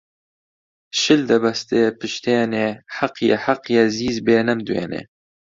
شل دەبەستێ پشتێنێ حەقیە حەقیە زیز بێ نەمدوێنێ